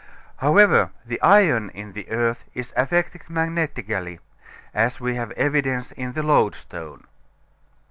However, the iron in the earth is affected magnetically, as we have evidence in the loadstone.